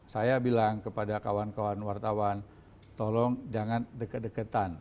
saya bilang kepada kawan kawan wartawan tolong jangan deket deketan